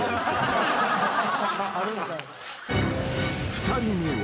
［２人目は］